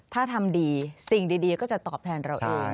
ถ้าทำดีสิ่งดีก็จะตอบแทนเราเอง